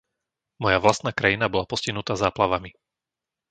Moja vlastná krajina bola postihnutá záplavami.